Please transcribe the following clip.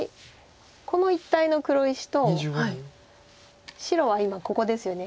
この一帯の黒石と白は今ここですよね。